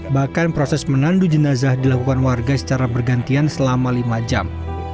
bahkan proses menandu jenazah dilakukan warga secara bergantian selama lima jam